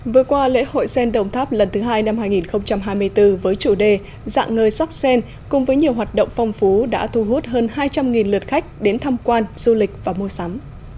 vừa qua lễ hội sen đồng tháp lần thứ hai năm hai nghìn hai mươi bốn với chủ đề dạng người sắc sen cùng với nhiều hoạt động phong phú đã thu hút hơn hai trăm linh lượt khách đến tham quan du lịch và mua sắm